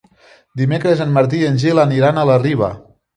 Dimecres en Martí i en Gil aniran a la Riba.